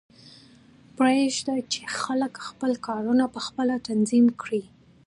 پریږده چې خلک خپل کارونه پخپله تنظیم کړي